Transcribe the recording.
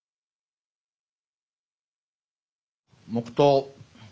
黙とう。